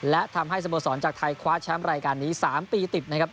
และทำให้สโมสรจากไทยคว้าแชมป์รายการนี้๓ปีติดนะครับ